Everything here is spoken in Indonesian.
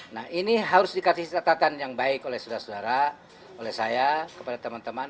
nah ini harus dikasih catatan yang baik oleh saudara saudara oleh saya kepada teman teman